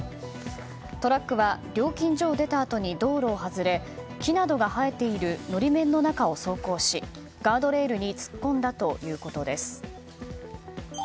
トラックは料金所を出たあとに道路をはずれ木などが生えている法面の中を走行しガードレールに突っ込んだということです。